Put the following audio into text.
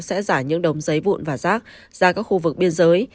sẽ giải những đống giấy vụn và rác ra các khu vực biên giới